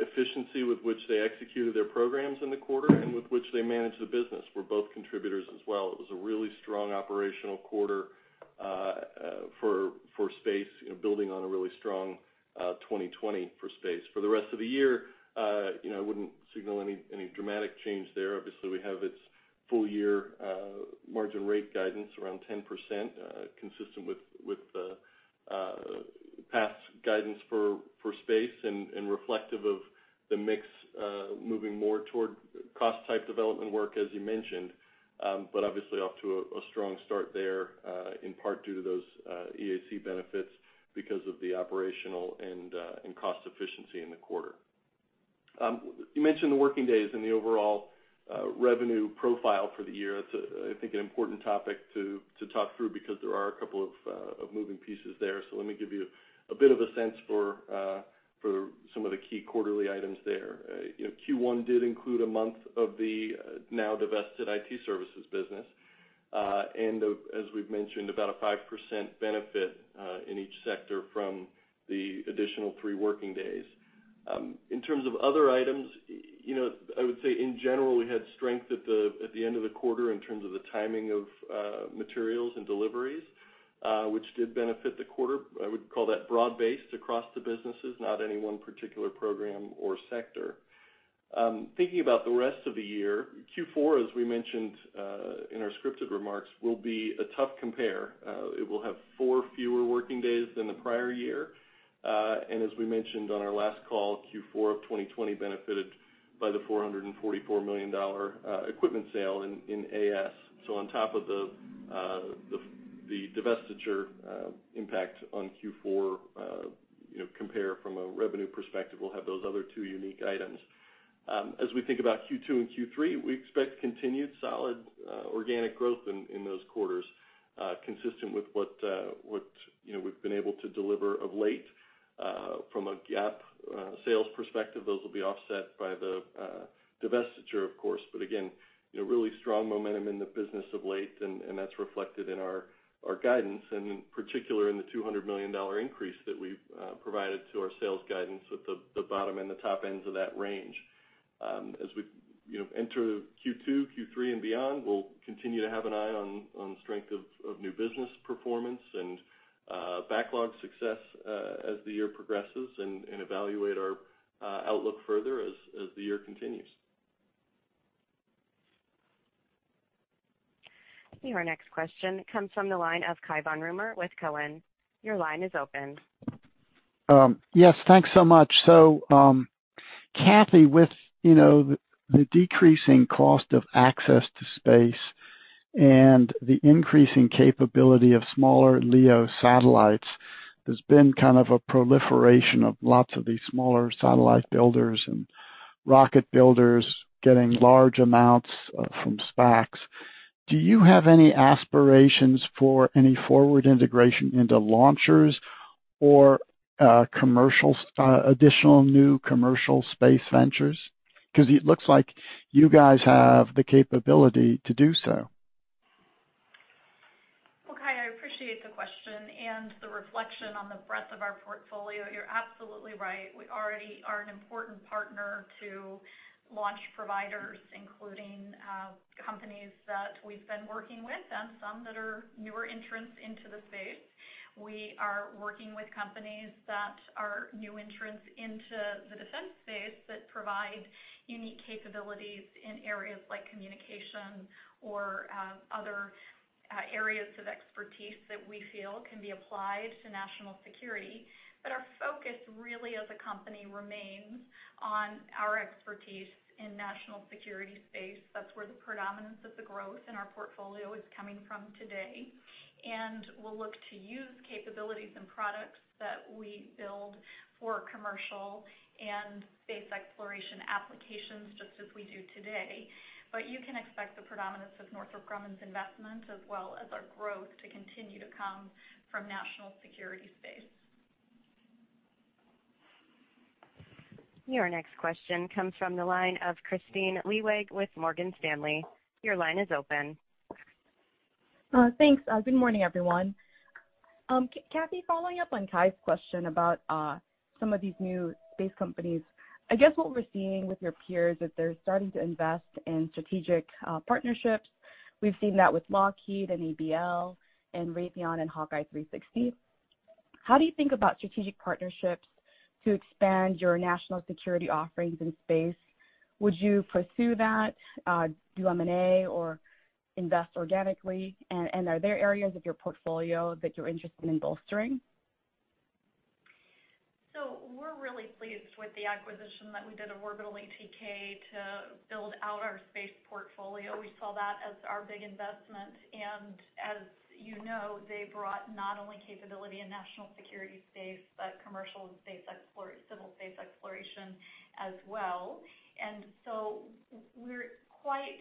Speaker 4: efficiency with which they executed their programs in the quarter and with which they managed the business were both contributors as well. It was a really strong operational quarter for Space, building on a really strong 2020 for Space. For the rest of the year, I wouldn't signal any dramatic change there. We have its full year margin rate guidance around 10%, consistent with the past guidance for Space and reflective of the mix moving more toward cost-type development work, as you mentioned. Obviously off to a strong start there, in part due to those EAC benefits because of the operational and cost efficiency in the quarter. You mentioned the working days and the overall revenue profile for the year. That's, I think, an important topic to talk through because there are a couple of moving pieces there. Let me give you a bit of a sense for some of the key quarterly items there. Q1 did include a month of the now divested IT services business. As we've mentioned, about a 5% benefit in each sector from the additional three working days. In terms of other items, I would say in general, we had strength at the end of the quarter in terms of the timing of materials and deliveries, which did benefit the quarter. I would call that broad-based across the businesses, not any one particular program or sector. Thinking about the rest of the year, Q4, as we mentioned in our scripted remarks, will be a tough compare. It will have four fewer working days than the prior year. As we mentioned on our last call, Q4 of 2020 benefited by the $444 million equipment sale in AS. On top of the divestiture impact on Q4 compare from a revenue perspective, we'll have those other two unique items. As we think about Q2 and Q3, we expect continued solid organic growth in those quarters, consistent with what we've been able to deliver of late. From a GAAP sales perspective, those will be offset by the divestiture, of course. Again, really strong momentum in the business of late, and that's reflected in our guidance, and in particular, in the $200 million increase that we've provided to our sales guidance at the bottom and the top ends of that range. As we enter Q2, Q3, and beyond, we'll continue to have an eye on the strength of new business performance and backlog success as the year progresses and evaluate our outlook further as the year continues.
Speaker 1: Your next question comes from the line of Cai von Rumohr with Cowen. Your line is open.
Speaker 13: Yes, thanks so much. Kathy, with the decreasing cost of access to space and the increasing capability of smaller LEO satellites, there's been kind of a proliferation of lots of these smaller satellite builders and rocket builders getting large amounts from SPACs. Do you have any aspirations for any forward integration into launchers or additional new commercial space ventures? Because it looks like you guys have the capability to do so.
Speaker 3: Well, Cai, I appreciate the question and the reflection on the breadth of our portfolio. You're absolutely right. We already are an important partner to launch providers, including companies that we've been working with and some that are newer entrants into the space. We are working with companies that are new entrants into the defense space that provide unique capabilities in areas like communication or other areas of expertise that we feel can be applied to national security. But our focus really as a company remains on our expertise in national security space. That's where the predominance of the growth in our portfolio is coming from today. And we'll look to use capabilities and products that we build for commercial and space exploration applications just as we do today. You can expect the predominance of Northrop Grumman's investment as well as our growth to continue to come from national security space.
Speaker 1: Your next question comes from the line of Kristine Liwag with Morgan Stanley. Your line is open.
Speaker 14: Thanks. Good morning, everyone. Kathy, following up on Cai's question about some of these new space companies. I guess what we're seeing with your peers is they're starting to invest in strategic partnerships. We've seen that with Lockheed and ABL and Raytheon and HawkEye 360. How do you think about strategic partnerships to expand your national security offerings in space? Would you pursue that, do M&A, or invest organically? Are there areas of your portfolio that you're interested in bolstering?
Speaker 3: We're really pleased with the acquisition that we did of Orbital ATK to build out our space portfolio. We saw that as our big investment. As you know, they brought not only capability in national security space, but commercial civil space exploration as well. We're quite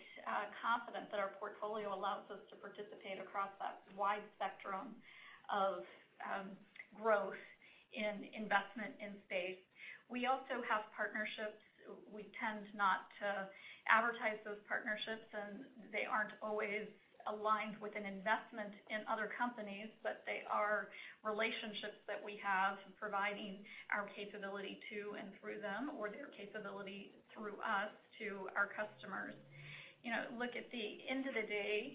Speaker 3: confident that our portfolio allows us to participate across that wide spectrum of growth in investment in space. We also have partnerships. We tend not to advertise those partnerships, and they aren't always aligned with an investment in other companies, but they are relationships that we have providing our capability to and through them or their capability through us to our customers. Look, at the end of the day,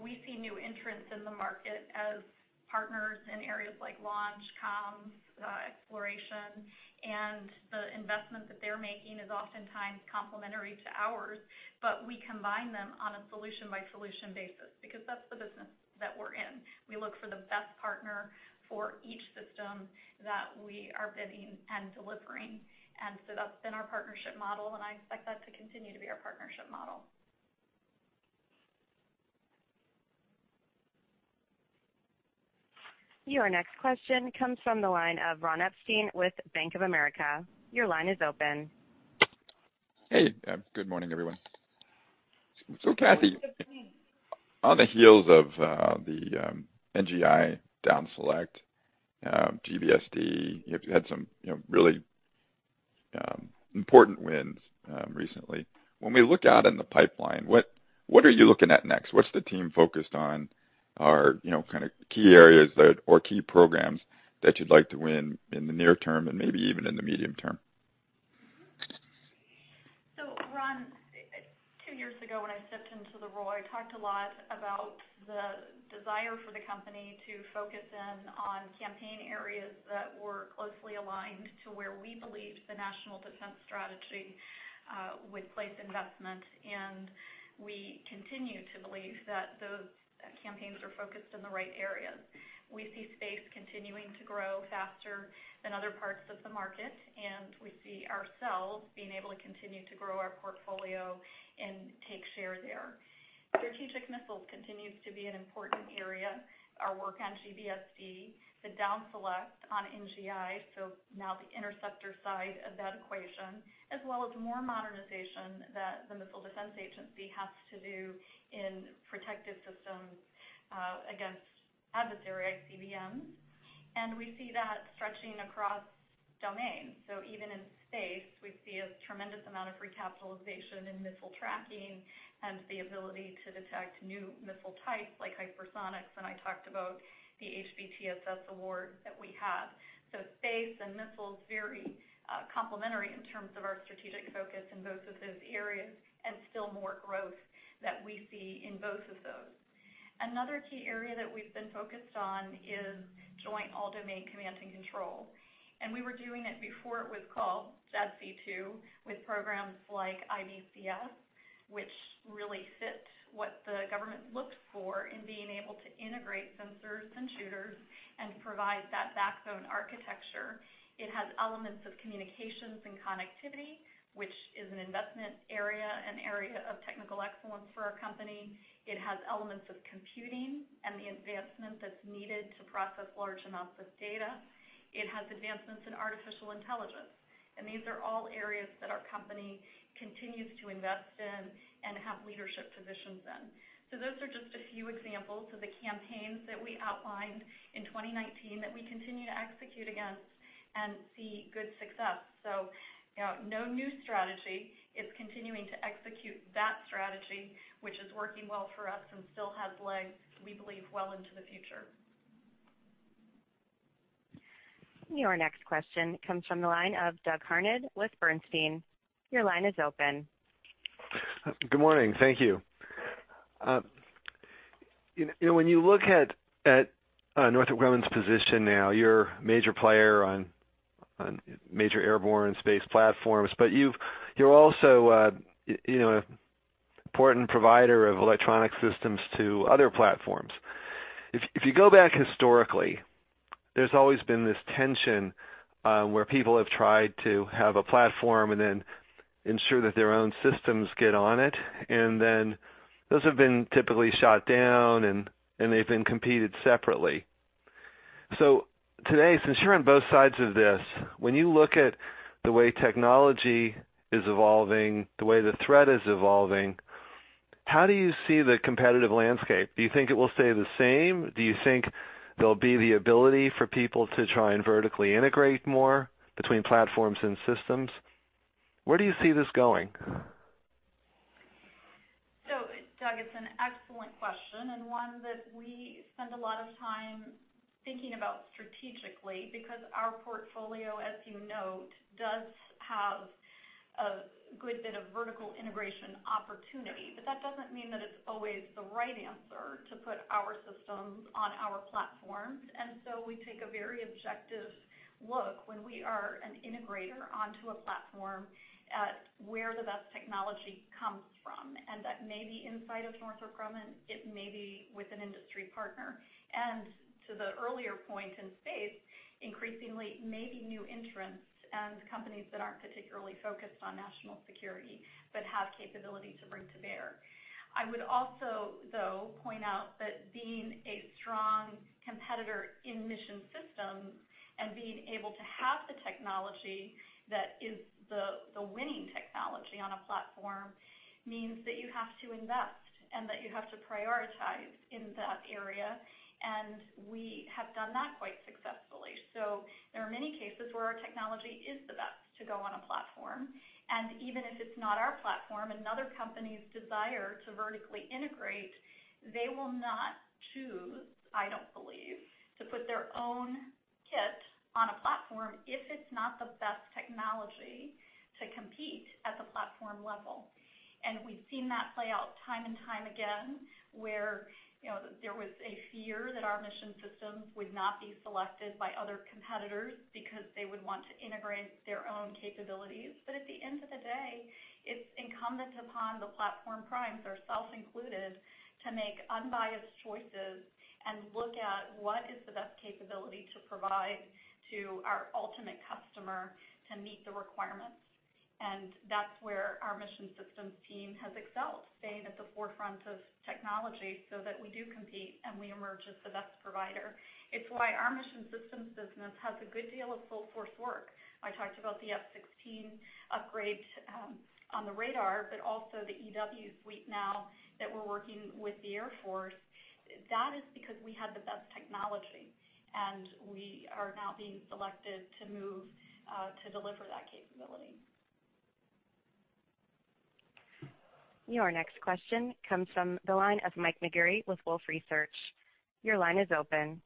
Speaker 3: we see new entrants in the market as partners in areas like launch, comms, exploration, and. The investment that they're making is oftentimes complementary to ours, but we combine them on a solution-by-solution basis, because that's the business that we're in. We look for the best partner for each system that we are bidding and delivering. That's been our partnership model, and I expect that to continue to be our partnership model.
Speaker 1: Your next question comes from the line of Ron Epstein with Bank of America. Your line is open.
Speaker 15: Good morning, everyone. Kathy, on the heels of the NGI down select, GBSD, you had some really important wins recently. When we look out in the pipeline, what are you looking at next? What's the team focused on, or key areas or key programs that you'd like to win in the near term and maybe even in the medium term?
Speaker 3: Two years ago, when I stepped into the role, I talked a lot about the desire for the company to focus in on campaign areas that were closely aligned to where we believed the national defense strategy would place investment. We continue to believe that those campaigns are focused in the right areas. We see space continuing to grow faster than other parts of the market, and we see ourselves being able to continue to grow our portfolio and take share there. Strategic missiles continues to be an important area. Our work on GBSD, the down select on NGI, so now the interceptor side of that equation, as well as more modernization that the Missile Defense Agency has to do in protective systems against adversary ICBMs. We see that stretching across domains. Even in space, we see a tremendous amount of recapitalization in missile tracking and the ability to detect new missile types like hypersonics. I talked about the HBTSS award that we have. Space and missiles, very complementary in terms of our strategic focus in both of those areas, and still more growth that we see in both of those. Another key area that we've been focused is Joint All-Domain Command and Control. We were doing it before it was called JADC2, with programs like IBCS, which really fit what the government looked for in being able to integrate sensors and shooters and provide that backbone architecture. It has elements of communications and connectivity, which is an investment area and area of technical excellence for our company. It has elements of computing and the advancement that's needed to process large amounts of data. It has advancements in artificial intelligence, and these are all areas that our company continues to invest in and have leadership positions in. Those are just a few examples of the campaigns that we outlined in 2019 that we continue to execute against and see good success. No new strategy. It's continuing to execute that strategy, which is working well for us and still has legs, we believe, well into the future.
Speaker 1: Your next question comes from the line of Doug Harned with Bernstein. Your line is open.
Speaker 16: Good morning. Thank you. When you look at Northrop Grumman's position now, you're a major player on major airborne space platforms. You're also an important provider of electronic systems to other platforms. If you go back historically, there's always been this tension where people have tried to have a platform and then ensure that their own systems get on it, and then those have been typically shot down and they've been competed separately. Today, since you're on both sides of this, when you look at the way technology is evolving, the way the threat is evolving, how do you see the competitive landscape? Do you think it will stay the same? Do you think there'll be the ability for people to try and vertically integrate more between platforms and systems? Where do you see this going?
Speaker 3: Doug, it's an excellent question and one that we spend a lot of time thinking about strategically because our portfolio, as you note, does have a good bit of vertical integration opportunity. That doesn't mean that it's always the right answer to put our systems on our platforms. We take a very objective look when we are an integrator onto a platform at where the best technology comes from. That may be inside of Northrop Grumman, it may be with an industry partner. To the earlier point in space, increasingly, maybe new entrants and companies that aren't particularly focused on national security but have capability to bring to bear. I would also, though, point out that being a strong competitor in Mission Systems and being able to have the technology that is the winning technology on a platform means that you have to invest and that you have to prioritize in that area, and we have done that quite successfully. There are many cases where our technology is the best to go on a platform, and even if it's not our platform, another company's desire to vertically integrate, they will not choose, I don't believe, to put their own kit on a platform if it's not the best technology to compete at the platform level. We've seen that play out time and time again, where there was a fear that our Mission Systems would not be selected by other competitors because they would want to integrate their own capabilities. At the end of the day, it's incumbent upon the platform primes, ourselves included, to make unbiased choices and look at what is the best capability to provide to our ultimate customer to meet the requirements. That's where our Mission Systems team has excelled, staying at the forefront of technology so that we do compete and we emerge as the best provider. It's why our Mission Systems business has a good deal of full force work. I talked about the F-16 upgrade on the radar, but also the EW suite now that we're working with the Air Force. That is because we have the best technology, and we are now being selected to move to deliver that capability.
Speaker 1: Your next question comes from the line of Mike Maugeri with Wolfe Research. Your line is open.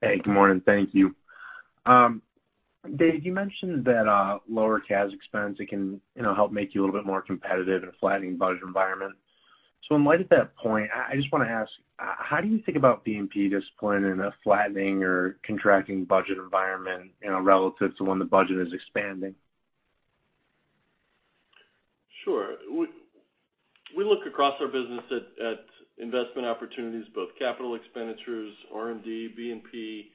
Speaker 17: Hey, good morning. Thank you. Dave, you mentioned that lower CAS expense, it can help make you a little bit more competitive in a flattening budget environment. In light of that point, I just want to ask, how do you think about B&P discipline in a flattening or contracting budget environment, relative to when the budget is expanding?
Speaker 4: Sure. We look across our business at investment opportunities, both capital expenditures, R&D, B&P,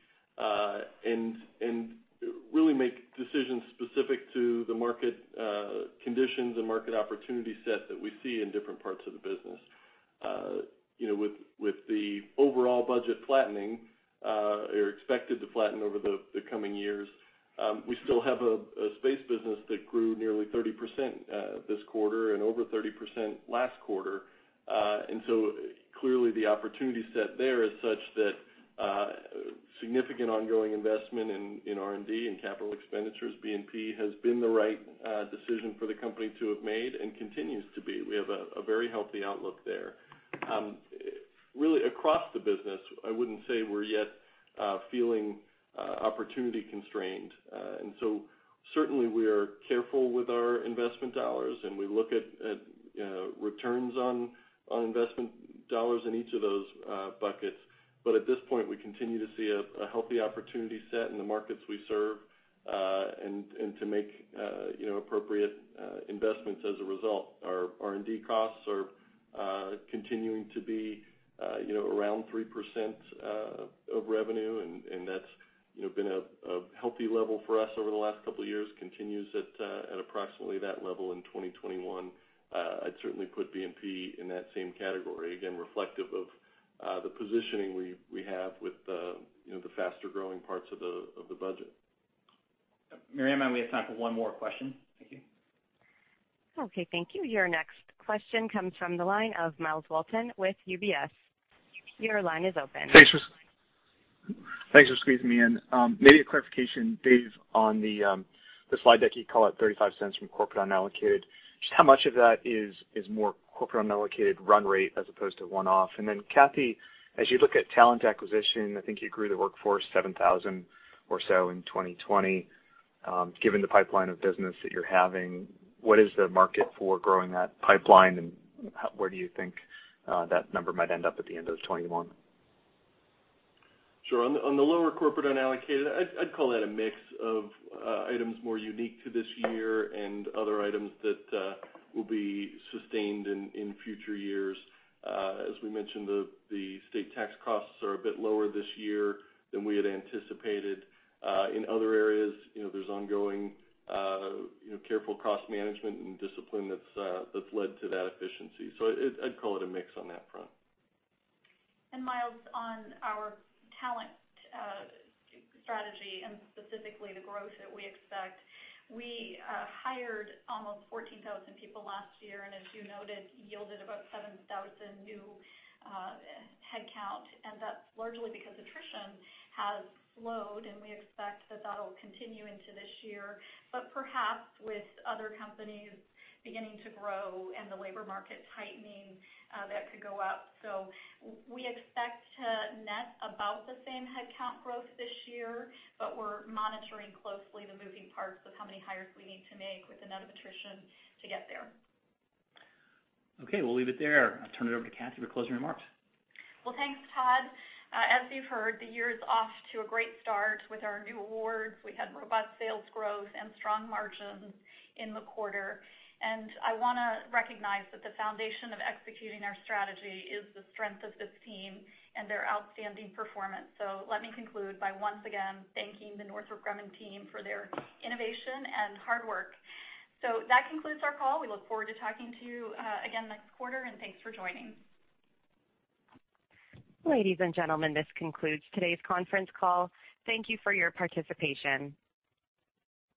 Speaker 4: Really make decisions specific to the market conditions and market opportunity set that we see in different parts of the business. With the overall budget flattening, or expected to flatten over the coming years, we still have a space business that grew nearly 30% this quarter and over 30% last quarter. Clearly the opportunity set there is such that significant ongoing investment in R&D and capital expenditures, B&P has been the right decision for the company to have made and continues to be. We have a very healthy outlook there. Really, across the business, I wouldn't say we're yet feeling opportunity-constrained. Certainly we are careful with our investment dollars and we look at returns on investment dollars in each of those buckets. At this point, we continue to see a healthy opportunity set in the markets we serve, and to make appropriate investments as a result. Our R&D costs are continuing to be around 3% of revenue, and that's been a healthy level for us over the last couple of years. Continues at approximately that level in 2021. I'd certainly put B&P in that same category, again, reflective of the positioning we have with the faster-growing parts of the budget.
Speaker 2: Mariama, may we have time for one more question? Thank you.
Speaker 1: Okay, thank you. Your next question comes from the line of Myles Walton with UBS. Your line is open.
Speaker 18: Thanks for squeezing me in. Maybe a clarification, Dave, on the slide deck, you call out $0.35 from corporate unallocated. Just how much of that is more corporate unallocated run rate as opposed to one-off? Kathy, as you look at talent acquisition, I think you grew the workforce 7,000 or so in 2020. Given the pipeline of business that you're having, what is the market for growing that pipeline, and where do you think that number might end up at the end of 2021?
Speaker 4: Sure. On the lower corporate unallocated, I'd call that a mix of items more unique to this year and other items that will be sustained in future years. As we mentioned, the state tax costs are a bit lower this year than we had anticipated. In other areas, there's ongoing careful cost management and discipline that's led to that efficiency. I'd call it a mix on that front.
Speaker 3: Myles, on our talent strategy and specifically the growth that we expect, we hired almost 14,000 people last year, and as you noted, yielded about 7,000 new headcount. That's largely because attrition has slowed, and we expect that that'll continue into this year. Perhaps with other companies beginning to grow and the labor market tightening, that could go up. We expect to net about the same headcount growth this year, but we're monitoring closely the moving parts of how many hires we need to make with the net of attrition to get there.
Speaker 2: Okay, we'll leave it there. I'll turn it over to Kathy for closing remarks.
Speaker 3: Well, thanks, Todd. As you've heard, the year is off to a great start with our new awards. We had robust sales growth and strong margins in the quarter. I want to recognize that the foundation of executing our strategy is the strength of this team and their outstanding performance. Let me conclude by once again thanking the Northrop Grumman team for their innovation and hard work. That concludes our call. We look forward to talking to you again next quarter, and thanks for joining.
Speaker 1: Ladies and gentlemen, this concludes today's conference call. Thank you for your participation.